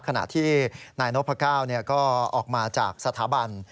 ขณะที่นายนพก้าวก็ออกมาจากสถาบัน